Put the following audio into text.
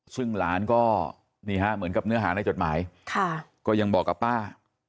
ซึ่งหลานก็นี่ฮะเหมือนกับเนื้อหาในจดหมายก็ยังบอกกับป้า